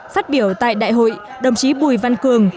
sáu mươi năm phát biểu tại đại hội đồng chí bùi văn cường